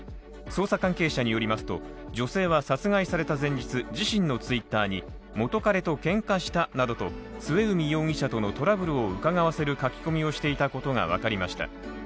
捜査関係者によりますと、女性は殺害された前日、自身のＴｗｉｔｔｅｒに元カレとケンカしたなどと末海容疑者とのトラブルをうかがわせる書き込みをしていたことが分かりました。